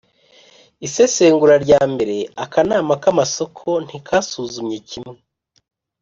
isesengura rya mbere Akanama k amasoko ntikasuzumye kimwe